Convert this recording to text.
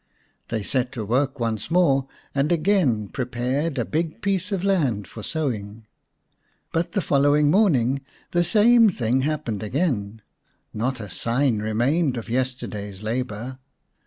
They set to work once more, and again pre pared a big piece of land for sowing. But the following morning the same thing happened again : not a sign remained of yesterday's labour.